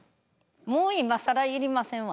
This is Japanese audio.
もう今更いりませんわ。